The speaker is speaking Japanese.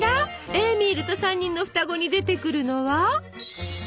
「エーミールと三人のふたご」に出てくるのは？